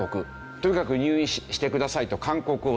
とにかく入院してくださいと勧告をする。